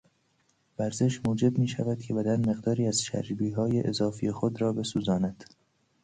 ورزش موجب میشود که بدن مقداری از چربیهای اضافی خود را بسوزاند.